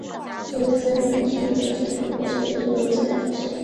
所有三种类型的辐射在某些元素中自然出现。